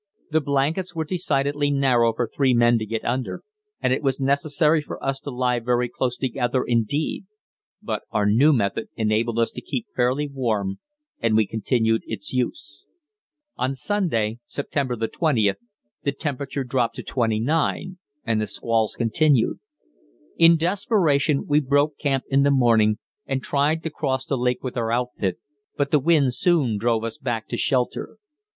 The blankets were decidedly narrow for three men to get under, and it was necessary for us to lie very close together indeed; but our new method enabled us to keep fairly warm and we continued its use. On Sunday (September 20th) the temperature dropped to 29 and the squalls continued. In desperation we broke camp in the morning and tried to cross the lake with our outfit, but the wind soon drove us back to shelter.